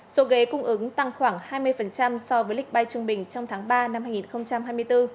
số ghế cung ứng tăng khoảng hai mươi so với lịch bay trung bình trong tháng ba năm hai nghìn hai mươi bốn